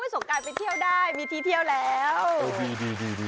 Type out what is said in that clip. สงการไปเที่ยวได้มีที่เที่ยวแล้ว